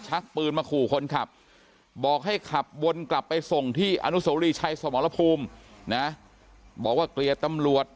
ปืนมาขู่คนขับบอกให้ขับวนกลับไปส่งที่อนุโสรีชัยสมรภูมินะบอกว่าเกลียดตำรวจ